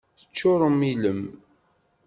Teččurem ilem.